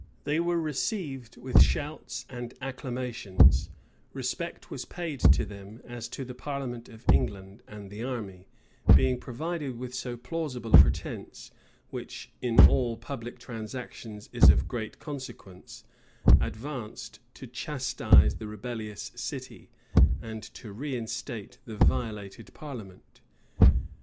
They were received with shouts and acclamations: respect was paid to them, as to the parliament of England: and the army, being provided with so plausible a pretence, which in all public transactions is of great consequence, advanced to chastise the rebellious city, and to reinstate the violated parliament.